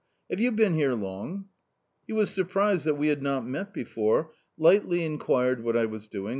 " Have you been here long ?" He was surprised that we had not met before, lightly inquired what I was doing?